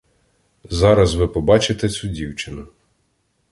Зараз ви побачите цю дівчину.